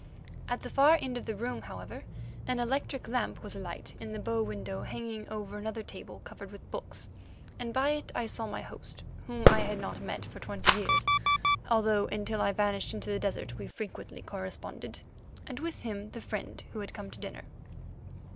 At the far end of the room, however, an electric lamp was alight in the bow window hanging over another table covered with books, and by it I saw my host, whom I had not met for twenty years, although until I vanished into the desert we frequently corresponded, and with him the friend who had come to dinner.